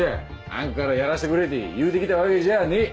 あん子からやらしてくれて言うて来たわけじゃあねえ。